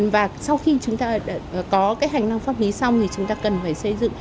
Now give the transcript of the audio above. và sau khi chúng ta có cái hành năng pháp lý xong thì chúng ta cần phải xây dựng